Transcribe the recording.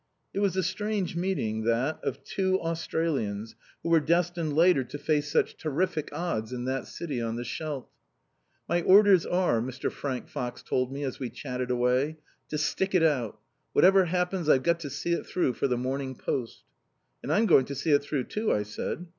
It was a strange meeting that, of two Australians, who were destined later on to face such terrific odds in that city on the Scheldt. "My orders are," Mr. Frank Fox told me as we chatted away, "to stick it out. Whatever happens, I've got to see it through for the Morning Post." "And I'm going to see it through, too," I said.